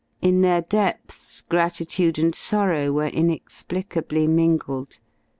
In their depths gratitude and sorrow were inexplicably mingled.